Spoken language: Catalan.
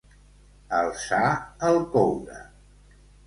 Alçar el coure.